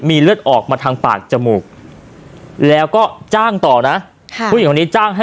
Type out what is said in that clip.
มีเลือดออกมาทางปากจมูกแล้วก็จ้างต่อนะค่ะผู้หญิงคนนี้จ้างให้